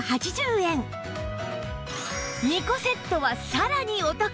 ２個セットはさらにお得！